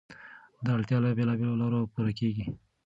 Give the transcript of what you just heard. دا اړتیا له بېلابېلو لارو پوره کېږي.